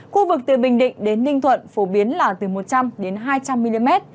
khu vực từ bình định đến ninh thuận phổ biến là từ một trăm linh hai trăm linh mm